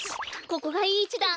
ここがいいいちだ。